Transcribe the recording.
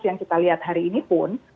yang kita lihat hari ini pun